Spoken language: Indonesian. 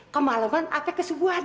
kemaleman apa kesubuhan